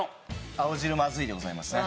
「青汁まずい」でございますね。